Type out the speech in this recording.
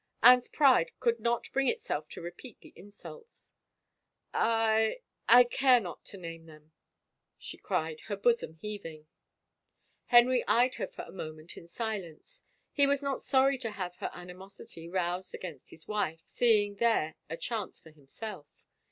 Anne's pride could not bring itself to repeat the insults. " I — I care not to name them/' she cried, her bosom heaving. Henry eyed her a moment in silence. He was not sorry to have her animosity roused against his wife, seeing there a chance for himself.